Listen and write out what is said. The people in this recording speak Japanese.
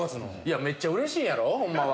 めっちゃうれしいやろ、ほんまは。